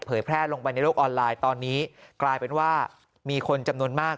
แพร่ลงไปในโลกออนไลน์ตอนนี้กลายเป็นว่ามีคนจำนวนมาก